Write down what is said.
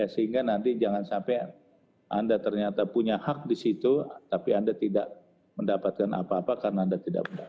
sehingga nanti jangan sampai anda ternyata punya hak di situ tapi anda tidak mendapatkan apa apa karena anda tidak mendapatkan